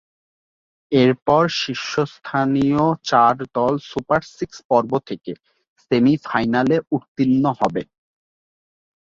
এরপর শীর্ষস্থানীয় চার দল সুপার সিক্স পর্ব থেকে সেমি-ফাইনালে উত্তীর্ণ হবে।